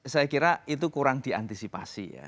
saya kira itu kurang diantisipasi ya